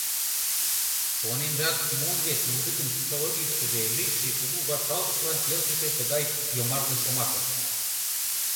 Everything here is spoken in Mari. Шоненжат муын вет мужикын психологийыштыже лийше кугу вашталтышлан келшыше тыгай йомартле шомакым.